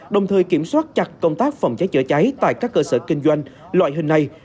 đồng thời kiểm soát chặt công tác phòng cháy chữa cháy tại các cơ sở kinh doanh loại hình này